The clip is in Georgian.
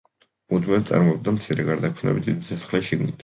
მუდმივად წარმოებდა მცირე გარდაქმნები დიდი სასახლის შიგნით.